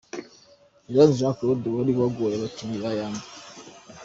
Iranzi Jean Claude wari wagoye abakinnyi ba Yanga.